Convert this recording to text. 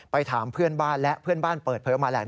ถามเพื่อนบ้านและเพื่อนบ้านเปิดเผยมาแหละ